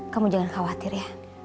kamu jangan khawatir ya